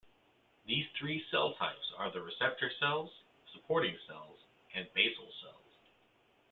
These three cell types are the receptor cells, supporting cells and basal cells.